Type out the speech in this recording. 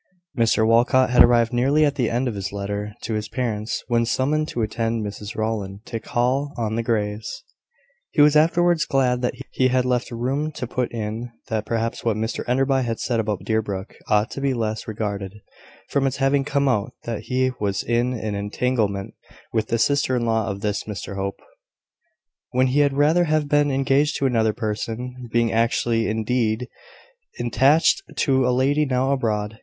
Mr Walcot had arrived nearly at the end of his letter to his parents, when summoned to attend Mrs Rowland to call on the Greys. He was afterwards glad that he had left room to put in that perhaps what Mr Enderby had said about Deerbrook ought to be the less regarded, from its having come out that he was in an entanglement with the sister in law of this Mr Hope, when he had rather have been engaged to another person being actually, indeed, attached to a lady now abroad.